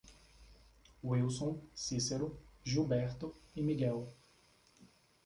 Wilson, Cícero, Gilberto e Miguel